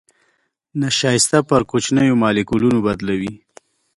نشایسته پر کوچنيو مالیکولونو بدلوي.